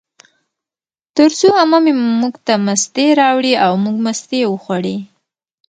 ترڅو عمه مې موږ ته مستې راوړې، او موږ مستې وخوړې